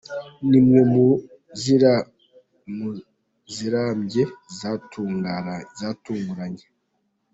" Ni imwe mu zirambye zatunguranye.